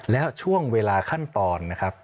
แล้วช่วงเวลาขั้นตอนนะครับ